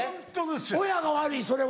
親が悪いそれは。